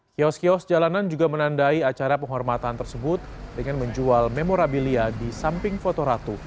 kios kios jalanan juga menandai acara penghormatan tersebut dengan menjual memorabilia di samping foto ratu